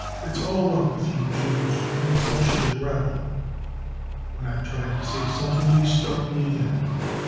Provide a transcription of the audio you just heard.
5 It's all up with you Jews, you Bolshevik rabble !' When I tried to say something they struck me again.